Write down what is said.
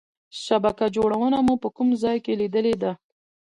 شبکه جوړونه مو په کوم ځای کې لیدلې ده؟